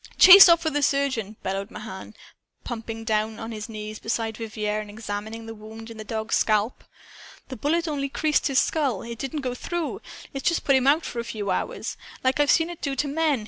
"Chase off for the surgeon!" bellowed Mahan, plumping down on his knees beside Vivier and examining the wound in the dog's scalp. "The bullet only creased his skull! It didn't go through! It's just put him out for a few hours, like I've seen it do to men.